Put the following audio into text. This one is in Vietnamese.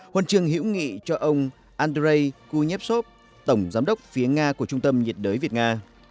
huân trường hữu nghị cho ông andrei kuhevsov tổng giám đốc phía nga của trung tâm nhiệt đới việt nga